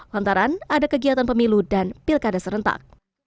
lantaran ada kegiatan pemilu dan pilkada serentak